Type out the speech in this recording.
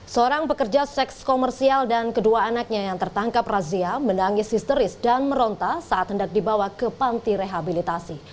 seorang pekerja seks komersial dan kedua anaknya yang tertangkap razia menangis histeris dan meronta saat hendak dibawa ke panti rehabilitasi